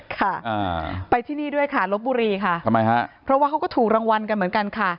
ค่ะไปที่นี่ด้วยค่ะลบบุรีค่ะทำไมฮะเพราะว่าเขาก็ถูกรางวัลกันเหมือนกันค่ะ